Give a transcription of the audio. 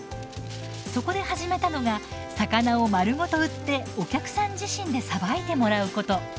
そこで始めたのが魚を丸ごと売ってお客さん自身でさばいてもらうこと。